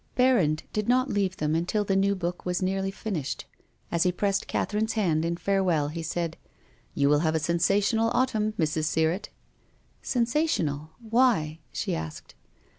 Berrand did not leave them until the new book was nearly finished. As he pressed Catherine's hand in farewell he said, " You will have a sensational autumn, Mrs. Sirrett." " Sensational. Why ?" she asked.